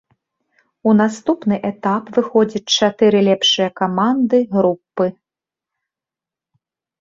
У наступны этап выходзяць чатыры лепшыя каманды групы.